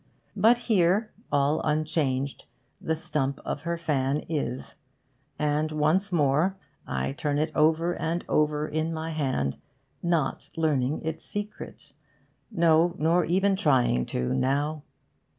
But here, all unchanged, the stump of her fan is; and once more I turn it over and over in my hand, not learning its secret no, nor even trying to, now.